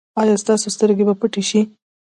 ایا ستاسو سترګې به پټې شي؟